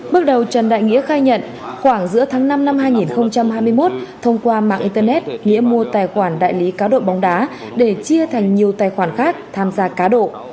bước đầu trần đại nghĩa khai nhận khoảng giữa tháng năm năm hai nghìn hai mươi một thông qua mạng internet nghĩa mua tài khoản đại lý cá độ bóng đá để chia thành nhiều tài khoản khác tham gia cá độ